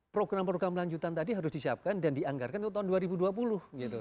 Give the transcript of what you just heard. program program lanjutan tadi harus disiapkan dan dianggarkan untuk tahun dua ribu dua puluh gitu